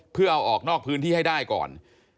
เพื่อเอาออกนอกพื้นที่ให้ได้ก่อน